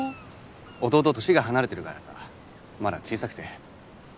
弟年が離れてるからさまだ小さくて。